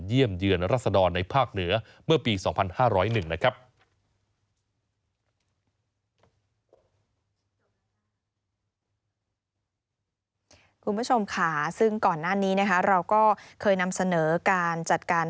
เยี่ยมเยือนรัศดรในภาคเหนือเมื่อปี๒๕๐๑นะครับ